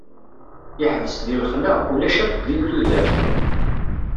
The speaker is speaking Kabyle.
Yeḥbes deg laxla, ulac akk din tudert.